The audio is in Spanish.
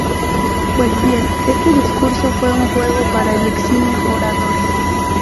Pues bien, este discurso fue un juego para el eximio orador.